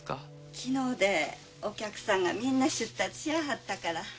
昨日でお客さんがみんな出立しやはったから。